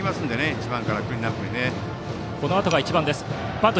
１番からクリーンナップに。